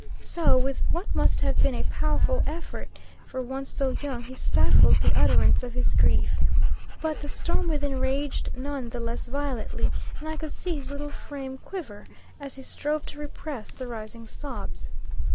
So, with what must have been a powerful effort for one so young, he stifled the utterance of his grief. But, the storm within raged none the less violently, and I could see his little frame quiver as he strove to repress the rising sobs.